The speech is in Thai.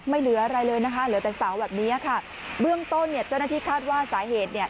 เรื่องตัวเนี่ยเจ้าที่คาดว่าสาเหตุเนี่ย